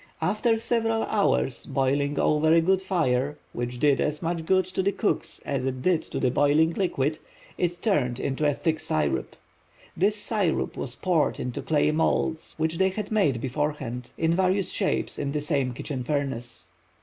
After several hours boiling over a good fire, which did as much good to the cooks as it did to the boiling liquid, it turned into a thick syrup. This syrup was poured into clay moulds which they had made beforehand, in various shapes in the same kitchen furnace.